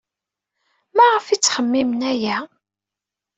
Maɣef ay ttxemmimen aya?